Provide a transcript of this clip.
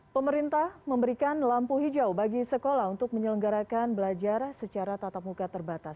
pemerintah memberikan lampu hijau bagi sekolah untuk menyelenggarakan belajar secara tatap muka terbatas